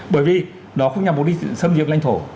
bởi vì nó không nhằm vô địch xâm lược lãnh thổ